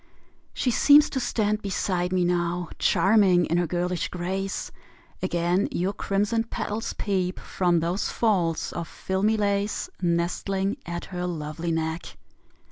She seems to stand beside me now, Charming in her girlish grace; Again your crimson petals peep From those folds of filmy lace Nestling at her lovely neck.